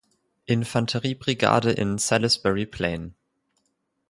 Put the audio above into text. Infanteriebrigade in Salisbury Plain.